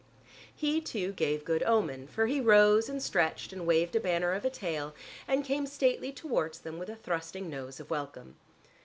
He, too, gave good omen, for he rose and stretched and waved a banner of a tail, and came stately towards them with a thrusting nose of welcome.